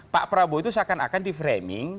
pak prabowo itu seakan akan di framing